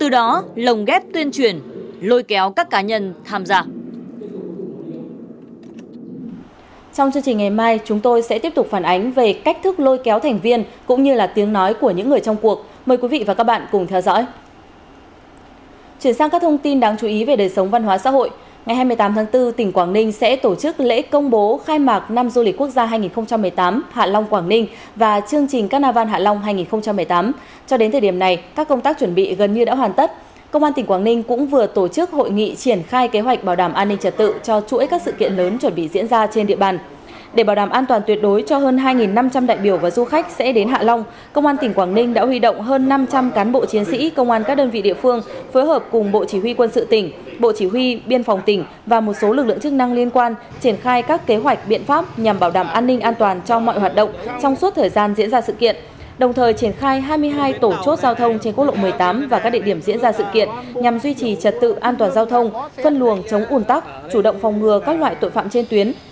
đồng thời triển khai hai mươi hai tổ chốt giao thông trên quốc lộ một mươi tám và các địa điểm diễn ra sự kiện nhằm duy trì trật tự an toàn giao thông phân luồng chống ủn tắc chủ động phòng ngừa các loại tội phạm trên tuyến